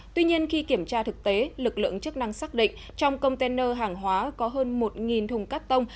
tuy nhiên khi kiểm tra thực tế lực lượng chức năng xác định trong container hàng hóa có hơn một thùng cắt tông